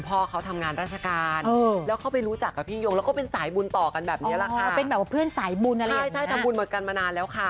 เป็นแบบว่าเพื่อนสายบุญอะไรอย่างนี้นะครับใช่ทำบุญหมดกันมานานแล้วค่ะ